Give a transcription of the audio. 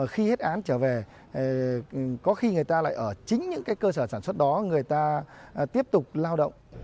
khi hết án trở về có khi người ta lại ở chính những cơ sở sản xuất đó người ta tiếp tục lao động